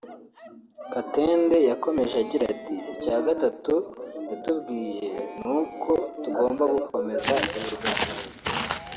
Katende yakomeje agira ati “Icya gatatu yatubwiye ni uko tugomba gukomeza ibiganiro